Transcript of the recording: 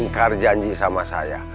ingkar janji sama saya